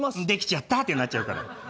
できちゃったってなっちゃうから。